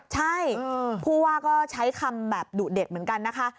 ใช่ผู้ว่าก็ใช้คำแบบดุเด็ดเหมือนกันนะคะ